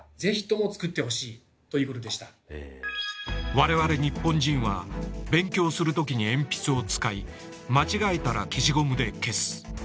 我々日本人は勉強する時に鉛筆を使い間違えたら消しゴムで消す。